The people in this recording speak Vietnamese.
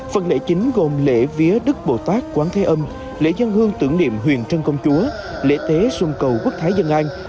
phần lễ chính gồm lễ vía đức bồ tát quán thế âm lễ dân hương tưởng niệm huyền trân công chúa lễ tế xuân cầu quốc thái dân an